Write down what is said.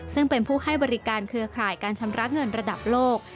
ซึ่งเป็นผู้ให้บริการเครือข่ายการชำระเงินระดับโลก